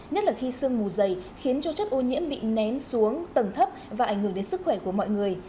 nhất là khi sương mù dày khiến cho chất ô nhiễm bị nén xuống tầng thấp và ảnh hưởng đến sức khỏe của mọi người